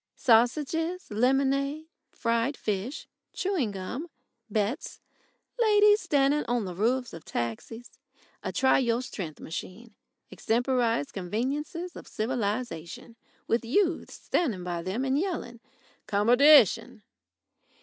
Sausages, lemonade, fried fish, chewing gum, bets, ladies standing on the roofs of taxis, a try your strength machine, extemporised conveniences of civilisation, with youths standing by them and yelling "Commodytion!"